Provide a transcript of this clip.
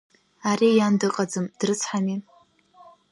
Ари иан дыҟаӡам, дрыцҳами!